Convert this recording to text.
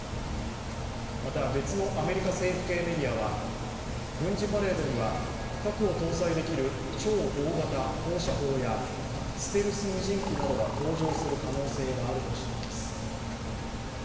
また、別のアメリカ政府系メディアは軍事パレードには、核を搭載できる超大型放射砲やステルス無人機などが登場する可能性があるとしています。